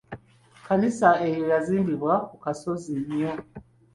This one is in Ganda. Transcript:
Kkanisa eyo yazimbibwa ku kasozi nnyo.